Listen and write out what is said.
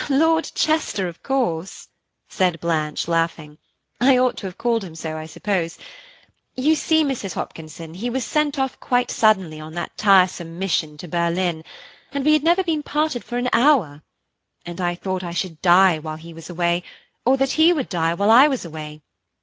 "– "Lord Chester, of course," said Blanche, laughing. "I ought to have called him so, I suppose. You see, Mrs. Hopkinson, he was sent off quite suddenly on that tiresome mission to Berlin, and we had never been parted for an hour, and I thought I should die while he was away, or that he would die while I was away.